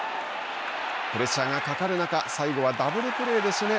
プレッシャーがかかる中最後はダブルプレーで締め